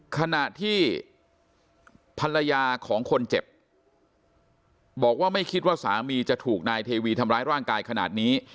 ขณะที่ภรรยาของคนเจ็บบอกว่าไม่คิดว่าสามีจะถูกนายเทวีทำร้ายร่างกายขนาดนี้